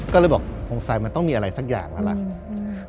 ก็เลยบอกสงสัยมันต้องมีอะไรสักอย่างแล้วล่ะ